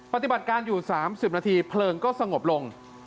ปฏิบัติการอยู่๓๐นาทีเพลิงก็สงบลง